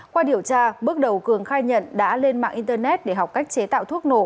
qua điều tra bước đầu cường khai nhận đã lên mạng internet để học cách chế tạo thuốc nổ